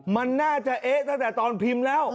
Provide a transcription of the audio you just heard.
มันน่าจะเอ๊ะตั้งแต่ตอนพิมพ์แล้ว